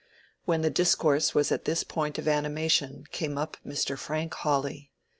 When the discourse was at this point of animation, came up Mr. Frank Hawley.